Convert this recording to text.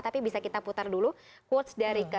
tapi bisa kita putar dulu quotes dari